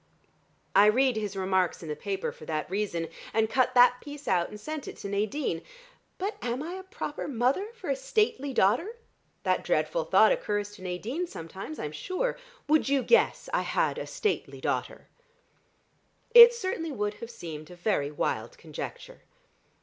I read his remarks in the paper for that reason, and cut that piece out and sent to Nadine. But am I a proper mother for a stately daughter? That dreadful thought occurs to Nadine sometimes, I am sure. Would you guess I had a stately daughter?" It certainly would have seemed a very wild conjecture.